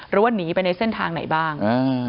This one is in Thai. หรือว่าหนีไปในเส้นทางไหนบ้าง